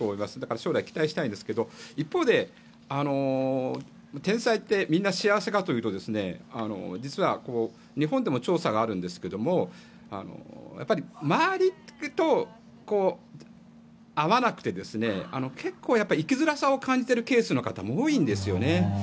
将来期待したいんですが一方で、天才ってみんな幸せかというと実は日本でも調査があるんですが周りと合わなくて結構、生きづらさを感じているケースの方も多いんですよね。